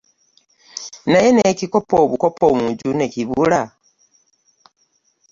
Naye n'ekikopo obukopo mu nju ne kibula!